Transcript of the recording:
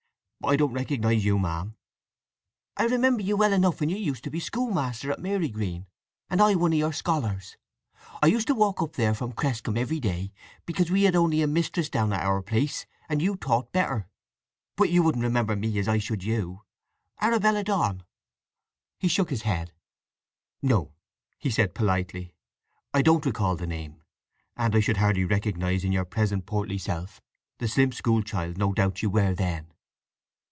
"But I don't recognize you, ma'am." "I remember you well enough when you used to be schoolmaster out at Marygreen, and I one of your scholars. I used to walk up there from Cresscombe every day, because we had only a mistress down at our place, and you taught better. But you wouldn't remember me as I should you?—Arabella Donn." He shook his head. "No," he said politely, "I don't recall the name. And I should hardly recognize in your present portly self the slim school child no doubt you were then."